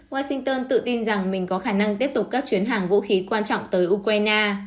washington tự tin rằng mình có khả năng tiếp tục các chuyến hàng vũ khí quan trọng tới ukraine